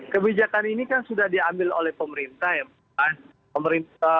kebijakan ini kan sudah diambil oleh pemerintah ya